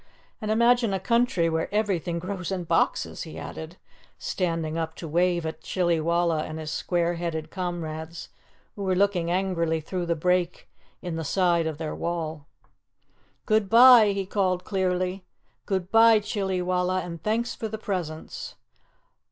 And imagine a country where everything grows in boxes!" he added, standing up to wave at Chillywalla and his square headed comrades, who were looking angrily through the break in the side of their wall. "Good bye!" he called clearly. "Good bye, Chillywalla, and thanks for the presents!"